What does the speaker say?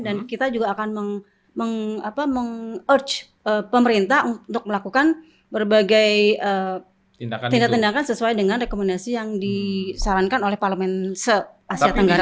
dan kita juga akan meng urge pemerintah untuk melakukan berbagai tindakan sesuai dengan rekomendasi yang disarankan oleh parlement se asia tenggara